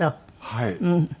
はい。